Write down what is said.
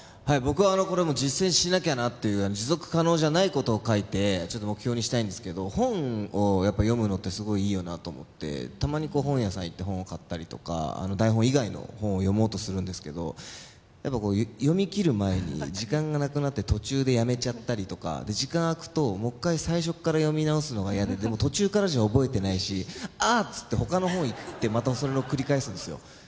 僕はこれ実践しなきゃなって持続可能じゃないことを書いて目標にしたいんですけど本を読むのってすごいいいよなと思ってたまに本屋さん行って本を買ったりとか台本以外の本を読もうとするんですけど読み切る前に時間がなくなって途中でやめちゃったりとか時間あくともう一回最初から読み直すのが嫌ででも途中からじゃ覚えてないし「あっ」つって他の本いってまたそれを繰り返すんですよ